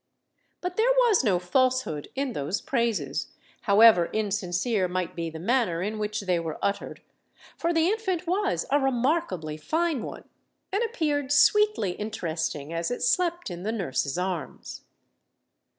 But there was no falsehood in those praises,—however insincere might be the manner in which they were uttered:—for the infant was a remarkably fine one, and appeared sweetly interesting as it slept in the nurse's arms.